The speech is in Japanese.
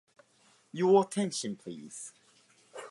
Your attention, please.